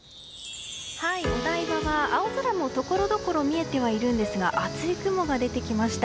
お台場は青空もところどころ見えてはいますが厚い雲が出てきました。